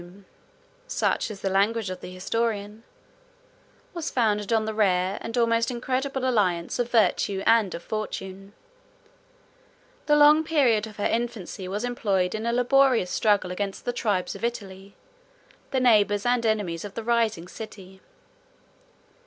] "The greatness of Rome"—such is the language of the historian—"was founded on the rare, and almost incredible, alliance of virtue and of fortune. The long period of her infancy was employed in a laborious struggle against the tribes of Italy, the neighbors and enemies of the rising city.